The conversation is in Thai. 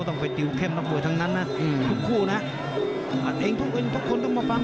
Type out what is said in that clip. ก็ต้องไปติวเข้มนักมวยทั้งนั้นนะทุกนะอันเองทุกคนต้องมาฟัง